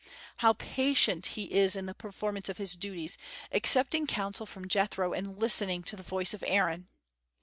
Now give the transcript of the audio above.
How patient he is in the performance of his duties, accepting counsel from Jethro and listening to the voice of Aaron!